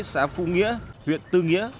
xã phú nghĩa huyện tư nghĩa